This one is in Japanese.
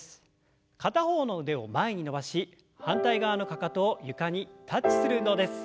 片方の腕を前に伸ばし反対側のかかとを床にタッチする運動です。